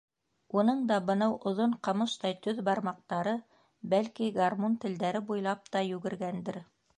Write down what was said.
Уның да бынау оҙон, ҡамыштай төҙ бармаҡтары, бәлки, гармун телдәре буйлап та йүгергәндер...